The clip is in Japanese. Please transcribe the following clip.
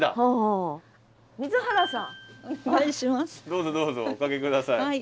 どうぞどうぞお掛け下さい。